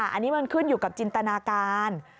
อันนี้มันขึ้นอยู่กับจินตนาการ